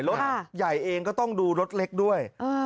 รถใหญ่เองก็ต้องดูรถเล็กด้วย